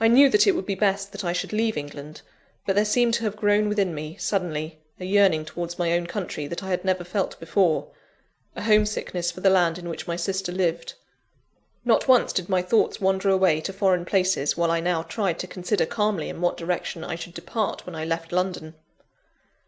I knew that it would be best that I should leave England; but there seemed to have grown within me, suddenly, a yearning towards my own country that I had never felt before a home sickness for the land in which my sister lived. Not once did my thoughts wander away to foreign places, while I now tried to consider calmly in what direction I should depart when I left London.